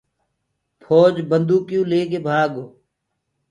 ڦوجيٚ بنٚدوڪيٚئو ليڪي ڀآگو